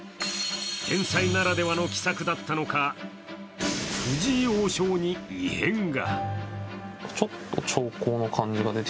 天才ならではの奇策だったのか、藤井王将に異変が。